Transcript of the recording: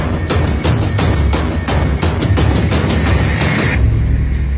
แล้วก็พอเล่ากับเขาก็คอยจับอย่างนี้ครับ